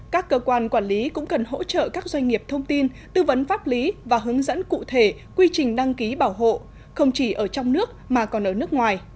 các cơ quan quản lý cũng cần hỗ trợ các doanh nghiệp thông tin tư vấn pháp lý và hướng dẫn cụ thể quy trình đăng ký bảo hộ không chỉ ở trong nước mà còn ở nước ngoài